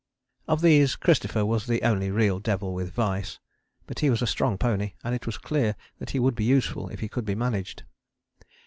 Of these ten Christopher was the only real devil with vice, but he was a strong pony, and it was clear that he would be useful if he could be managed.